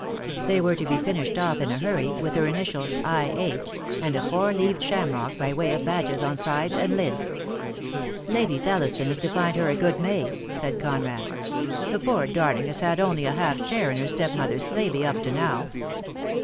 They were to be finished off in a hurry, with her initials I. H., and a four leaved shamrock by way of badge on sides and lid. "Lady Thelliston is to find her a good maid," said Conrad. "The poor darling has had only a half share in her stepmother's slavey up to now."